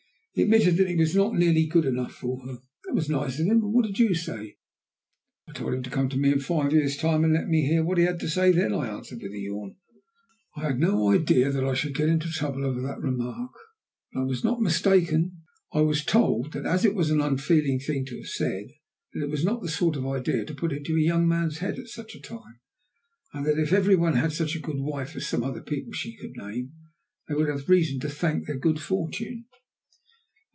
"He admitted that he was not nearly good enough for her." "That was nice of him. And what did you say?" "I told him to come to me in five years' time and let me hear what he had to say then," I answered with a yawn. I had an idea that I should get into trouble over that remark, and I was not mistaken. I was told that it was an unfeeling thing to have said, that it was not the sort of idea to put into a young man's head at such a time, and that if every one had such a good wife as some other people she could name, they would have reason to thank their good fortune.